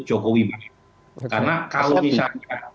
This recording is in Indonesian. jokowi karena kalau misalnya